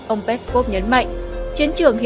ông peskov nhấn mạnh